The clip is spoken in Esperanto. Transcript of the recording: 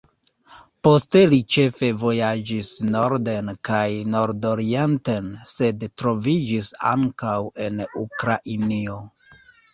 Poste li ĉefe vojaĝis norden kaj nordorienten, sed troviĝis ankaŭ en Ukrainio.